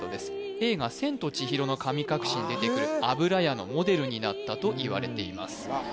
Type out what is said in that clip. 映画「千と千尋の神隠し」に出てくる油屋のモデルになったといわれています